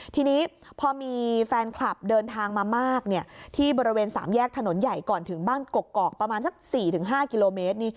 ทีนี้พอมีแฟนคลับเดินทางมามากที่บริเวณ๓แยกถนนใหญ่ก่อนถึงบ้านกกอกประมาณสัก๔๕กิโลเมตร